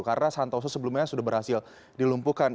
karena santoso sebelumnya sudah berhasil dilumpuhkan